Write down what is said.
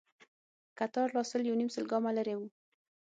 کتار لا سل يونيم سل ګامه لرې و.